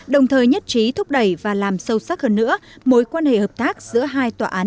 đồng thời nhất trí thúc đẩy và làm sâu sắc hơn nữa mối quan hệ hợp tác giữa hai tòa án